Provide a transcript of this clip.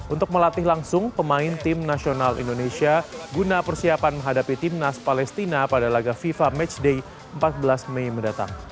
untuk melatih langsung pemain tim nasional indonesia guna persiapan menghadapi timnas palestina pada laga fifa matchday empat belas mei mendatang